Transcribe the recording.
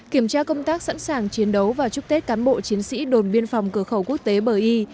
kiểm tra công tác sẵn sàng chiến đấu và chúc tết cán bộ chiến sĩ đồn biên phòng cửa khẩu quốc tế bờ y